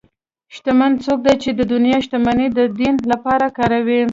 شتمن څوک دی چې د دنیا شتمني د دین لپاره کاروي.